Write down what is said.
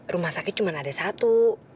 rumah sakit cuma ada satu